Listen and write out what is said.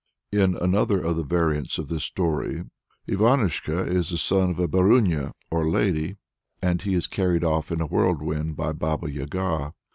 In another of the variants of this story Ivanushka is the son of a Baruinya or Lady, and he is carried off in a whirlwind by a Baba Yaga.